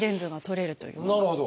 なるほど。